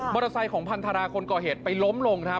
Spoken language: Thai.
มอเตอร์ไซของพันธราคนเกาะเหตุไปล้มลงครับ